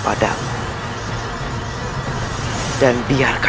saya berani kerasa